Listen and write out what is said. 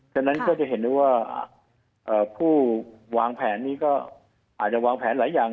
ฉะนั้นก็จะเห็นได้ว่าผู้วางแผนนี้ก็อาจจะวางแผนหลายอย่าง